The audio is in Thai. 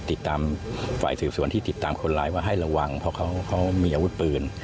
ติดตามฝ่ายสืบสวนที่ติดตามคนร้ายมาให้ระวังเพราะเขามีอาวุธปืน